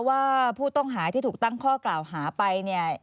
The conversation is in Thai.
ว่าผู้ต้องหาที่ถูกตั้งข้อกล่าวหาไปเนี่ย